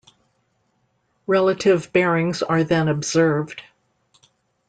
Relative bearings are then observed.